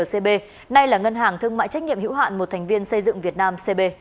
vncb nay là ngân hàng thương mại trách nhiệm hiệu hạn một thành viên xây dựng việt nam